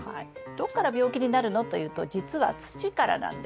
どっから病気になるのというと実は土からなんです。